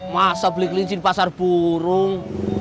masa beli kelinci di pasar burung